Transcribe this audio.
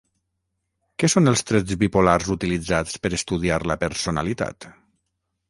Què són els trets bipolars utilitzats per estudiar la personalitat?